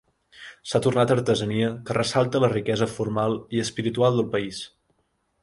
S'ha tornat artesania que ressalta la riquesa formal i espiritual del país.